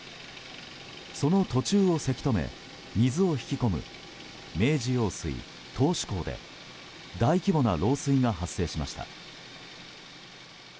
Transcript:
その途中をせき止め水を引き込む明治用水頭首工で大規模な漏水が発生しました。